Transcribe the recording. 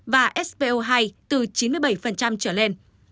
và svo hai từ chín mươi bảy trở lên